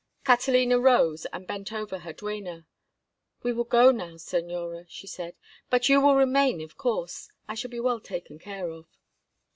Catalina rose and bent over her duenna. "We will go now, señora," she said. "But you will remain, of course. I shall be well taken care of."